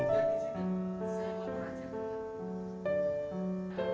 bagaimana menurut anda bagaimana menurut anda